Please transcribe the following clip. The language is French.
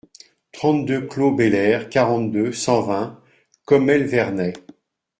trente-deux clos Bel Air, quarante-deux, cent vingt, Commelle-Vernay